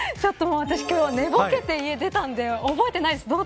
私は今日、寝ぼけて家を出たので覚えていないです。